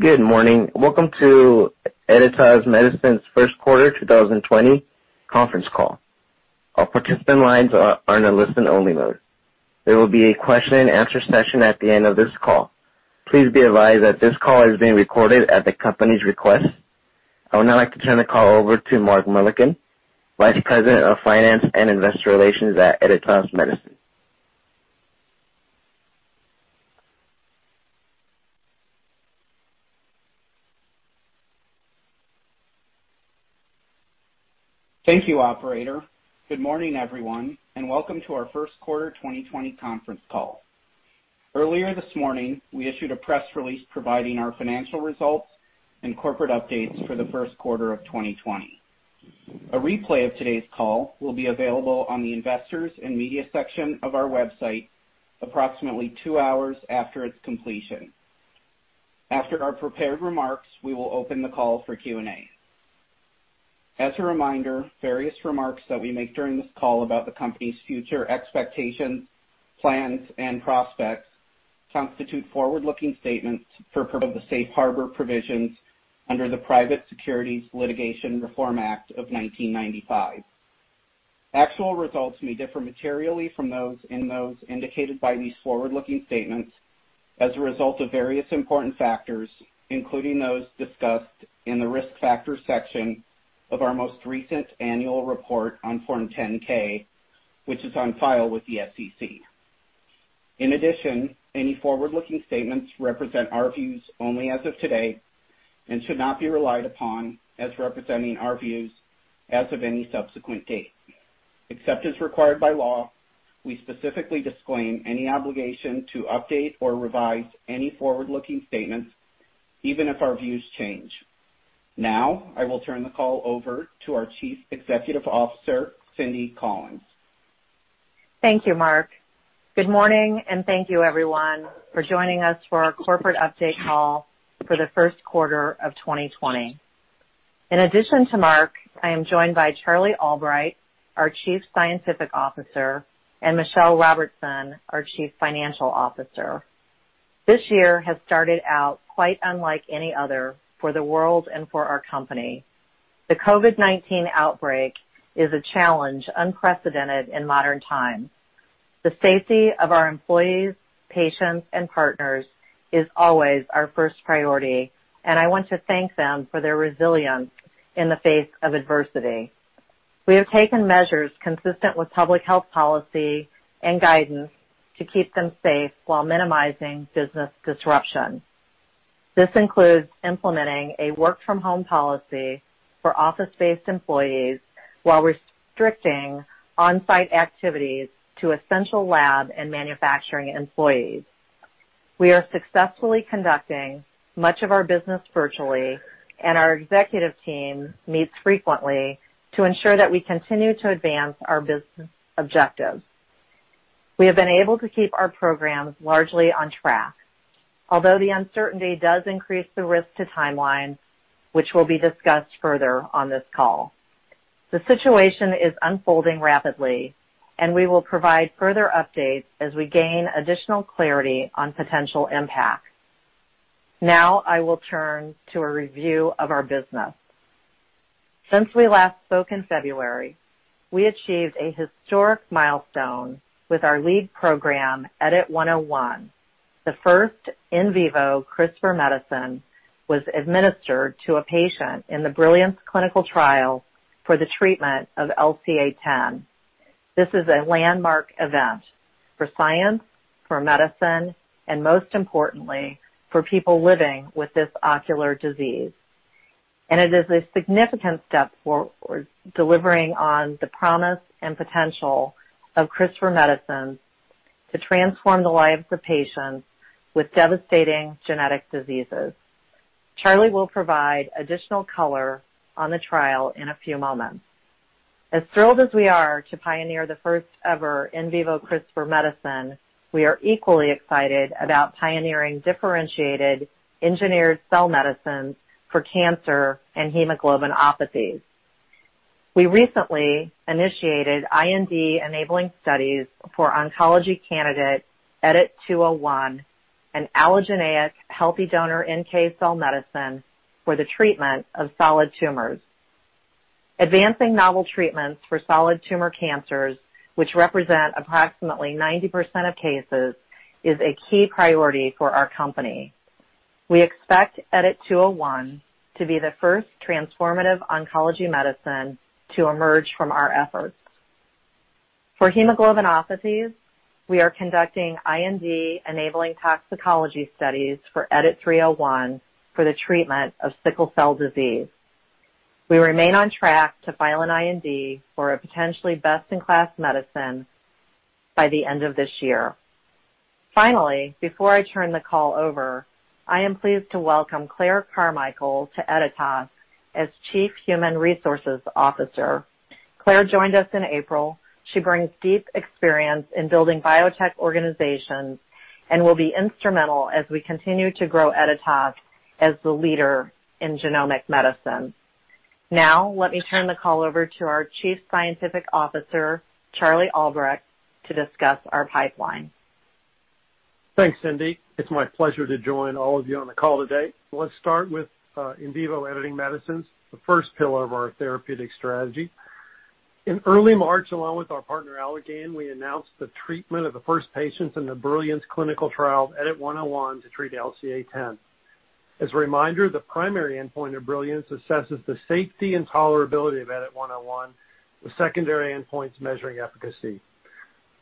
Good morning. Welcome to Editas Medicine's first quarter 2020 conference call. All participant lines are in a listen-only mode. There will be a question and answer session at the end of this call. Please be advised that this call is being recorded at the company's request. I would now like to turn the call over to Mark Mullikin, Vice President of Finance and Investor Relations at Editas Medicine. Thank you, operator. Good morning, everyone. Welcome to our first quarter 2020 conference call. Earlier this morning, we issued a press release providing our financial results and corporate updates for the first quarter of 2020. A replay of today's call will be available on the investors and media section of our website approximately two hours after its completion. After our prepared remarks, we will open the call for Q&A. As a reminder, various remarks that we make during this call about the company's future expectations, plans, and prospects constitute forward-looking statements pursuant of the safe harbor provisions under the Private Securities Litigation Reform Act of 1995. Actual results may differ materially from those indicated by these forward-looking statements as a result of various important factors, including those discussed in the risk factors section of our most recent annual report on Form 10-K, which is on file with the SEC. In addition, any forward-looking statements represent our views only as of today and should not be relied upon as representing our views as of any subsequent date. Except as required by law, we specifically disclaim any obligation to update or revise any forward-looking statements, even if our views change. Now, I will turn the call over to our Chief Executive Officer, Cindy Collins. Thank you, Mark. Good morning, and thank you everyone for joining us for our corporate update call for the first quarter of 2020. In addition to Mark, I am joined by Charlie Albright, our Chief Scientific Officer, and Michelle Robertson, our Chief Financial Officer. This year has started out quite unlike any other for the world and for our company. The COVID-19 outbreak is a challenge unprecedented in modern times. The safety of our employees, patients, and partners is always our first priority, and I want to thank them for their resilience in the face of adversity. We have taken measures consistent with public health policy and guidance to keep them safe while minimizing business disruption. This includes implementing a work-from-home policy for office-based employees while restricting on-site activities to essential lab and manufacturing employees. We are successfully conducting much of our business virtually, and our executive team meets frequently to ensure that we continue to advance our business objectives. We have been able to keep our programs largely on track. The uncertainty does increase the risk to timelines, which will be discussed further on this call. The situation is unfolding rapidly. We will provide further updates as we gain additional clarity on potential impacts. Now, I will turn to a review of our business. Since we last spoke in February, we achieved a historic milestone with our lead program, EDIT-101. The first in vivo CRISPR medicine was administered to a patient in the BRILLIANCE clinical trial for the treatment of LCA10. This is a landmark event for science, for medicine, and most importantly, for people living with this ocular disease. It is a significant step towards delivering on the promise and potential of CRISPR medicines to transform the lives of patients with devastating genetic diseases. Charlie will provide additional color on the trial in a few moments. As thrilled as we are to pioneer the first-ever in vivo CRISPR medicine, we are equally excited about pioneering differentiated engineered cell medicines for cancer and hemoglobinopathies. We recently initiated IND-enabling studies for oncology candidate EDIT-201, an allogeneic healthy donor NK cell medicine for the treatment of solid tumors. Advancing novel treatments for solid tumor cancers, which represent approximately 90% of cases, is a key priority for our company. We expect EDIT-201 to be the first transformative oncology medicine to emerge from our efforts. For hemoglobinopathies, we are conducting IND-enabling toxicology studies for EDIT-301 for the treatment of sickle cell disease. We remain on track to file an IND for a potentially best-in-class medicine by the end of this year. Finally, before I turn the call over, I am pleased to welcome Clare Carmichael to Editas as Chief Human Resources Officer. Clare joined us in April. She brings deep experience in building biotech organizations and will be instrumental as we continue to grow Editas as the leader in genomic medicine. Let me turn the call over to our Chief Scientific Officer, Charlie Albright, to discuss our pipeline. Thanks, Cindy. It's my pleasure to join all of you on the call today. Let's start with in vivo editing medicines, the first pillar of our therapeutic strategy. In early March, along with our partner, Allergan, we announced the treatment of the first patients in the BRILLIANCE clinical trial of EDIT-101 to treat LCA10. As a reminder, the primary endpoint of BRILLIANCE assesses the safety and tolerability of EDIT-101, with secondary endpoints measuring efficacy.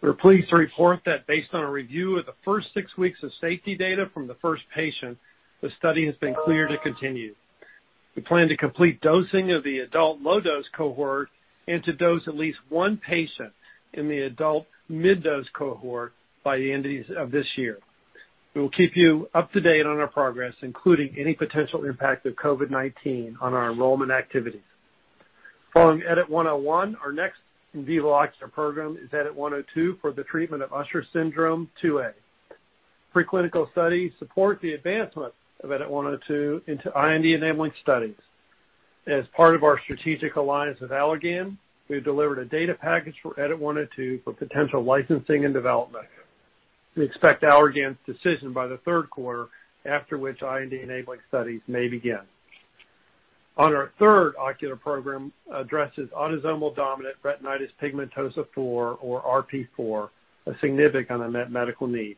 We're pleased to report that based on a review of the first six weeks of safety data from the first patient, the study has been cleared to continue. We plan to complete dosing of the adult low-dose cohort and to dose at least one patient in the adult mid-dose cohort by the end of this year. We will keep you up to date on our progress, including any potential impact of COVID-19 on our enrollment activities. Following EDIT-101, our next in vivo ocular program is EDIT-102 for the treatment of Usher syndrome 2A. Preclinical studies support the advancement of EDIT-102 into IND-enabling studies. As part of our strategic alliance with Allergan, we've delivered a data package for EDIT-102 for potential licensing and development. We expect Allergan's decision by the third quarter, after which IND-enabling studies may begin. Our third ocular program addresses autosomal dominant retinitis pigmentosa 4, or RP4, a significant unmet medical need.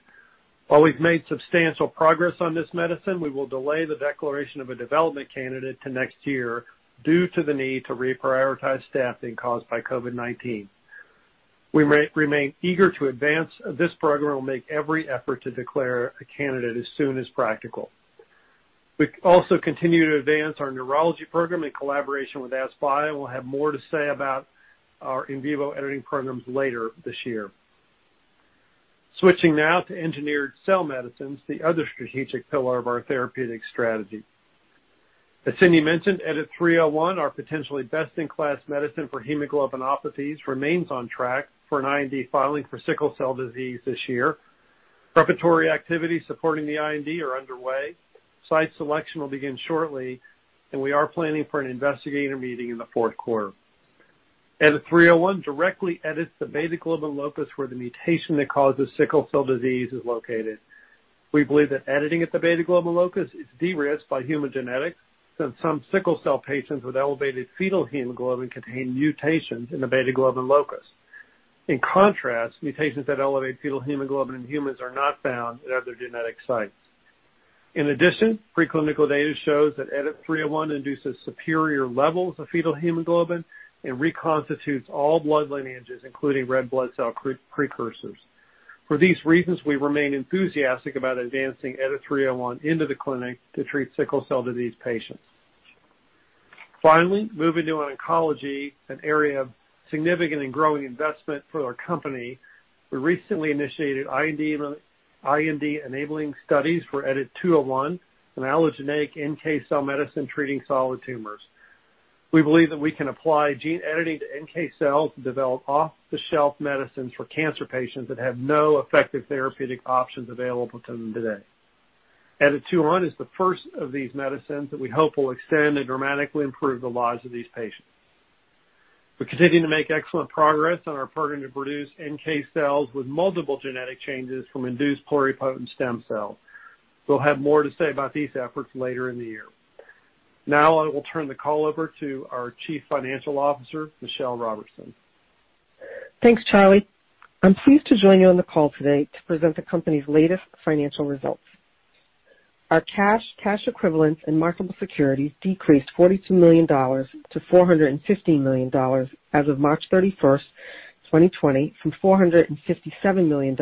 While we've made substantial progress on this medicine, we will delay the declaration of a development candidate to next year due to the need to reprioritize staffing caused by COVID-19. We remain eager to advance this program and will make every effort to declare a candidate as soon as practical. We also continue to advance our neurology program in collaboration with AskBio. We'll have more to say about our in vivo editing programs later this year. Switching now to engineered cell medicines, the other strategic pillar of our therapeutic strategy. As Cindy mentioned, EDIT-301, our potentially best-in-class medicine for hemoglobinopathies, remains on track for an IND filing for sickle cell disease this year. Preparatory activities supporting the IND are underway. Site selection will begin shortly. We are planning for an investigator meeting in the fourth quarter. EDIT-301 directly edits the beta-globin locus where the mutation that causes sickle cell disease is located. We believe that editing at the beta-globin locus is de-risked by human genetics, since some sickle cell patients with elevated fetal hemoglobin contain mutations in the beta-globin locus. In contrast, mutations that elevate fetal hemoglobin in humans are not found at other genetic sites. In addition, preclinical data shows that EDIT-301 induces superior levels of fetal hemoglobin and reconstitutes all blood lineages, including red blood cell precursors. For these reasons, we remain enthusiastic about advancing EDIT-301 into the clinic to treat sickle cell disease patients. Finally, moving to oncology, an area of significant and growing investment for our company, we recently initiated IND-enabling studies for EDIT-201, an allogeneic NK cell medicine treating solid tumors. We believe that we can apply gene editing to NK cells to develop off-the-shelf medicines for cancer patients that have no effective therapeutic options available to them today. EDIT-201 is the first of these medicines that we hope will extend and dramatically improve the lives of these patients. We're continuing to make excellent progress on our program to produce NK cells with multiple genetic changes from induced pluripotent stem cells. We'll have more to say about these efforts later in the year. Now I will turn the call over to our Chief Financial Officer, Michelle Robertson. Thanks, Charlie. I'm pleased to join you on the call today to present the company's latest financial results. Our cash equivalents, and marketable securities decreased $42 million to $415 million as of March 31st, 2020, from $457 million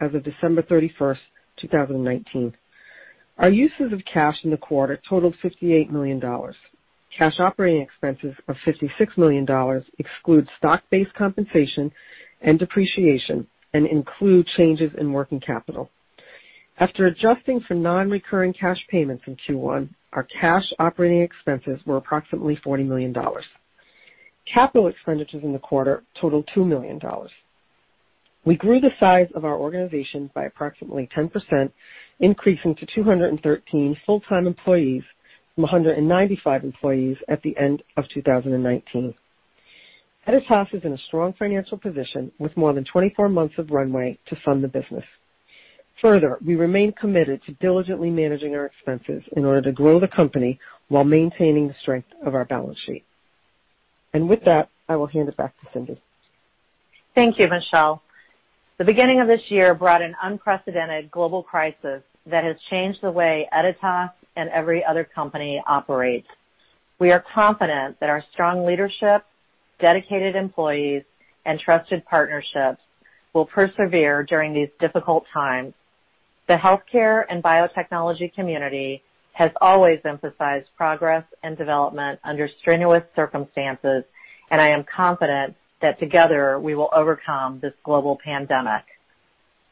as of December 31st, 2019. Our uses of cash in the quarter totaled $58 million. Cash operating expenses of $56 million exclude stock-based compensation and depreciation and include changes in working capital. After adjusting for non-recurring cash payments in Q1, our cash operating expenses were approximately $40 million. Capital expenditures in the quarter totaled $2 million. We grew the size of our organization by approximately 10%, increasing to 213 full-time employees from 195 employees at the end of 2019. Editas is in a strong financial position with more than 24 months of runway to fund the business. We remain committed to diligently managing our expenses in order to grow the company while maintaining the strength of our balance sheet. I will hand it back to Cindy. Thank you, Michelle. The beginning of this year brought an unprecedented global crisis that has changed the way Editas and every other company operates. We are confident that our strong leadership, dedicated employees, and trusted partnerships will persevere during these difficult times. The healthcare and biotechnology community has always emphasized progress and development under strenuous circumstances, and I am confident that together, we will overcome this global pandemic.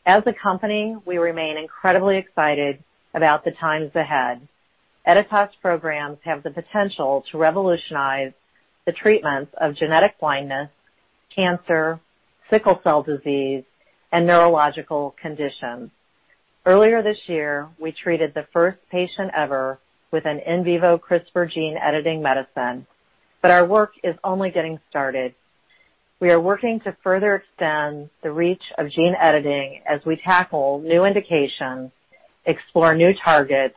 As a company, we remain incredibly excited about the times ahead. Editas programs have the potential to revolutionize the treatments of genetic blindness, cancer, sickle cell disease, and neurological conditions. Earlier this year, we treated the first patient ever with an in vivo CRISPR gene editing medicine, but our work is only getting started. We are working to further extend the reach of gene editing as we tackle new indications, explore new targets,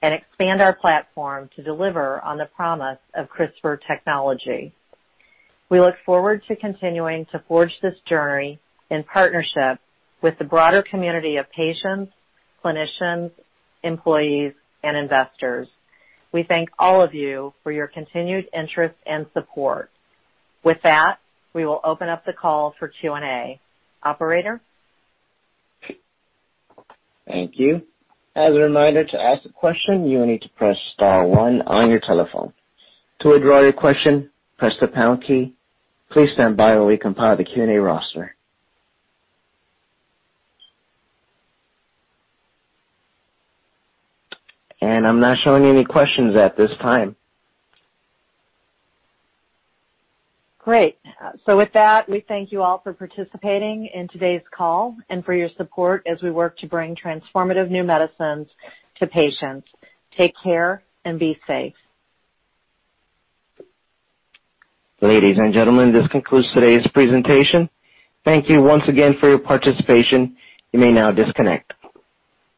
and expand our platform to deliver on the promise of CRISPR technology. We look forward to continuing to forge this journey in partnership with the broader community of patients, clinicians, employees, and investors. We thank all of you for your continued interest and support. With that, we will open up the call for Q&A. Operator? Thank you. As a reminder, to ask a question, you will need to press star one on your telephone. To withdraw your question, press the pound key. Please stand by while we compile the Q&A roster. I'm not showing any questions at this time. Great. With that, we thank you all for participating in today's call and for your support as we work to bring transformative new medicines to patients. Take care and be safe. Ladies and gentlemen, this concludes today's presentation. Thank you once again for your participation. You may now disconnect.